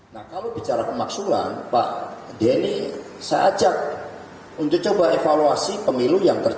nah kalau bicara kemaksulan pak denny saya ajak untuk coba evaluasi pemilu yang terjadi